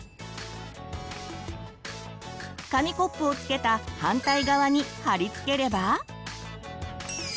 紙コップをつけた反対側に貼り付ければ。